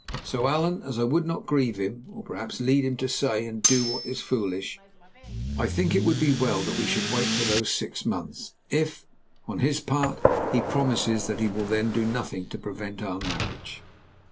So, Allan, as I would not grieve him, or perhaps lead him to say and do what is foolish, I think it would be well that we should wait for those six months, if, on his part, he promises that he will then do nothing to prevent our marriage."